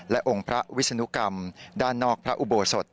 และองค์พระวิศนุกรรมด้านนอกพระอุโบสถ